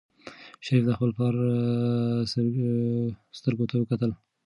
شریف د خپل پلار سترګو ته وکتل.